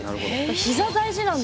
ひざ大事なんだ。